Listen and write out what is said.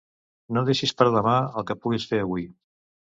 No deixis per a demà el que puguis fer avui.